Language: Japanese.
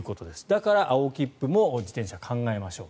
だから、青切符も自転車、考えましょう。